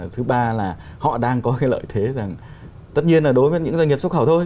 thứ ba là họ đang có cái lợi thế rằng tất nhiên là đối với những doanh nghiệp xuất khẩu thôi